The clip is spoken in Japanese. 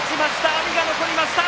阿炎が残りました。